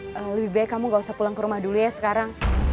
lebih baik kamu gak usah pulang ke rumah dulu ya sekarang